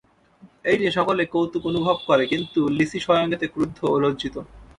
এই নিয়ে সকলেই কৌতুক অনুভব করে, কিন্তু লিসি স্বয়ং এতে ক্রুদ্ধ ও লজ্জিত।